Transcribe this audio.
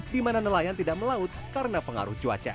di mana nelayan tidak melaut karena pengaruh cuaca